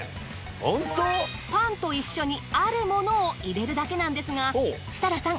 パンと一緒にあるモノを入れるだけなんですが設楽さん